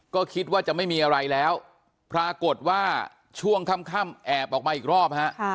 ก็คิดว่าจะไม่มีอะไรแล้วปรากฏว่าช่วงค่ำแอบออกมาอีกรอบฮะ